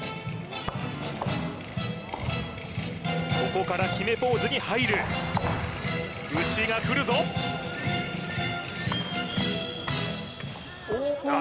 ここからキメポーズに入る牛が来るぞああ